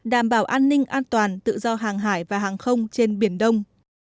đảm bảo an ninh an toàn tự do hàng hải và hàng không trên biển đông